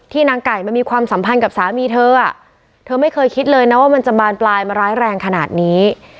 นางไก่มามีความสัมพันธ์กับสามีเธออ่ะเธอเธอไม่เคยคิดเลยนะว่ามันจะบานปลายมาร้ายแรงขนาดนี้